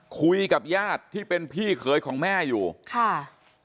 คุยกับญาติที่เป็นพี่เขยของแม่อยู่ค่ะ